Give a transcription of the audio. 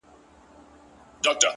موږ د خپل انسانيت حيصه ورکړې’